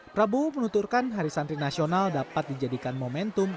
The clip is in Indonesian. prabowo menuturkan hari santri nasional dapat dijadikan momentum